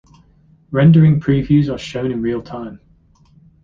Rendering previews are shown in real time.